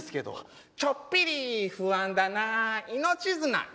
「ちょっぴり不安だな命綱水菜」